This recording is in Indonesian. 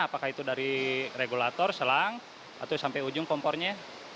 apakah itu dari regulator selang atau sampai ujung kompornya